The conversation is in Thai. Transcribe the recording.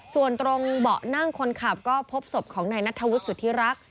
ส่วนตรงเบาะนั่งคนขับก็พบศพของนายนัทธวุฒิสุธิรักษ